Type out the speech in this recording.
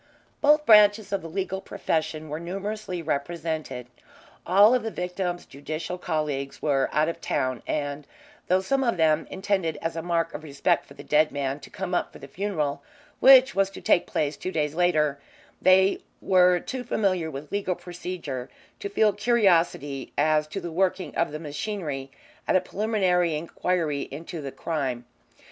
Both branches of the legal profession were numerously represented. All of the victim's judicial colleagues were out of town, and though some of them intended as a mark of respect for the dead man to come up for the funeral, which was to take place two days later, they were too familiar with legal procedure to feel curiosity as to the working of the machinery at a preliminary inquiry into the crime.